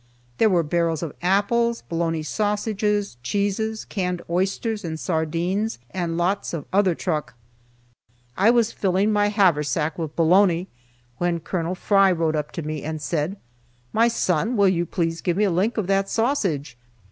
There were barrels of apples, bologna sausages, cheeses, canned oysters and sardines, and lots of other truck. I was filling my haversack with bologna when Col. Fry rode up to me and said: "My son, will you please give me a link of that sausage?"